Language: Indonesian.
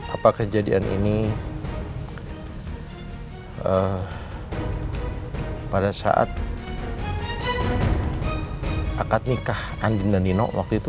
apa kejadian ini pada saat akad nikah andin dan nino waktu itu